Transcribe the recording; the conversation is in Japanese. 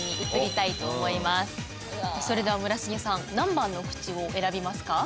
それでは村重さん何番のクチを選びますか？